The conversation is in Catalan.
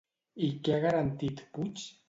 I què ha garantit Puig?